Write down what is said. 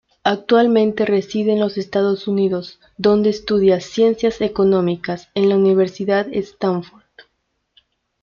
Actualmente reside en los Estados Unidos donde estudia Ciencias Económicas en la Universidad Stanford.